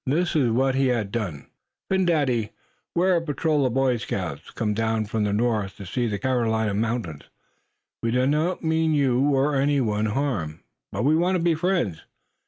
This was what he had done: "Phin Dady We are a patrol of Boy Scouts, come down from the North to see the Carolina mountains. We do not mean you, or any one, harm; but want to be friends.